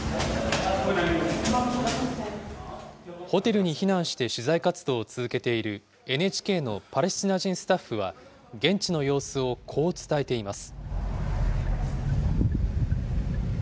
ホテルに避難して取材活動を続けているＮＨＫのパレスチナ人スタッフは、現地の様子をこう伝えています。